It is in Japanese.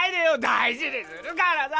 大事にするからさ！